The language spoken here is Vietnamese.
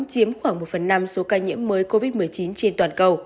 chiếm khoảng một phần năm số ca nhiễm mới covid một mươi chín trên toàn cầu